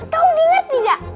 kau dengar tidak